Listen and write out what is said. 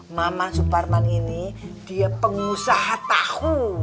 mama suparman ini dia pengusaha tahu